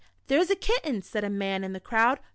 " There 's a kitten," said a man in the crowd.